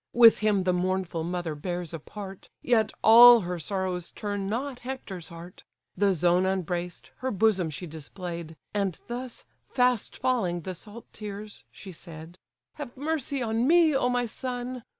With him the mournful mother bears a part; Yet all her sorrows turn not Hector's heart. The zone unbraced, her bosom she display'd; And thus, fast falling the salt tears, she said: "Have mercy on me, O my son!